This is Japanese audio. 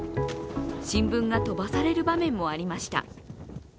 新聞が飛ばされる場面もありました。